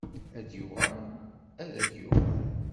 Ad yuɣal ad d-yuɣal.